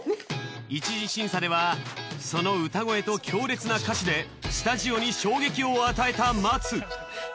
一次審査ではその歌声と強烈な歌詞でスタジオに衝撃を与えたＭＡＴＵ。